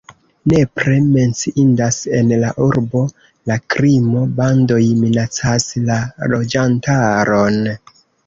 Nepre menciindas en la urbo la krimo, bandoj minacas la loĝantaron.